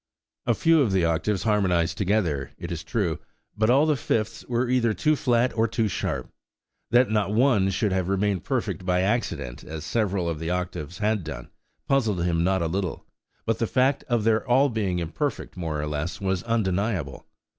A few of the octaves harmonised together, it is true; but all the fifths were either too flat or too sharp.–That not one should have remained perfect by accident, as several of the octaves had done, puzzled him not a little; but the fact of their all being imperfect, more or less, was undeniable.